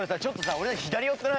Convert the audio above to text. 俺ら左寄ってない？